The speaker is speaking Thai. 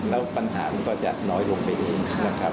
แล้วปัญหามันก็จะน้อยลงไปเองนะครับ